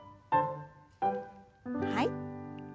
はい。